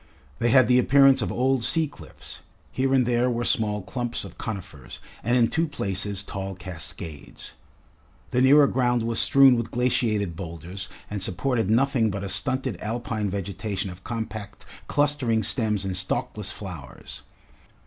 They had the appearance of old sea cliffs; here and there were small clumps of conifers, and in two places tall cascades. The nearer ground was strewn with glaciated boulders and supported nothing but a stunted Alpine vegetation of compact clustering stems and stalkless flowers.